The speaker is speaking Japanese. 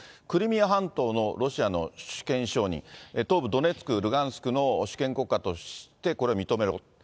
クリミア半島のロシアの主権承認、東部ドネツク、ルガンスクの、主権国家としてこれ、認める。